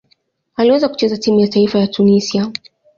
Aliwahi kucheza timu ya taifa ya Tunisia.